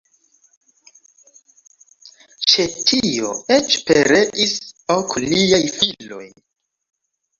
Ĉe tio eĉ pereis ok liaj filoj.